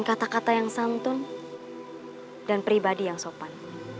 mata yang santun dan pribadi yang sopan